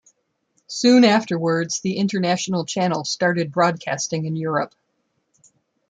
Soon afterwards, the international channel started broadcasting in Europe.